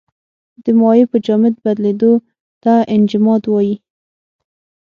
د مایع په جامد بدلیدو ته انجماد وايي.